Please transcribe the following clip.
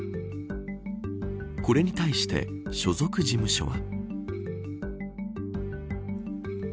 これに対して所属事務所は。